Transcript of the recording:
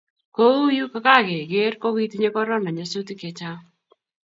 Kouyu kakeker ko kitinye corona nyasutik Che Chang